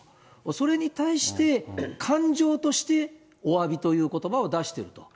それに対して、感情としておわびということばを出していると。